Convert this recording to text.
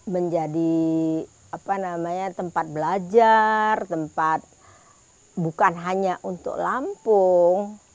menjadi tempat belajar tempat bukan hanya untuk lampung